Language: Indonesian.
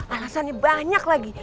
alasannya banyak lagi